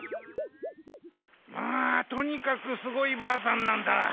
まあとにかくすごいばあさんなんだ。